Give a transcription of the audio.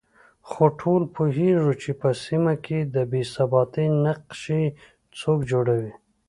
خو ټول پوهېږو چې په سيمه کې د بې ثباتۍ نقشې څوک جوړوي